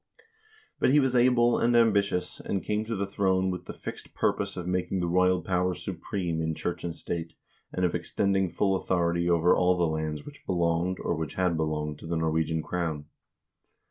But he was able and ambitious, and came to the throne with the fixed pur pose of making the royal power supreme in church and state, and of extending full authority over all the lands which belonged or which had belonged to the Norwegian crown.